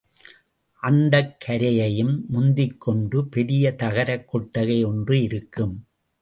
அந்தக் கூரையையும் முந்திக்கொண்டு பெரிய தகரக் கொட்டகை ஒன்று இருக்கும்.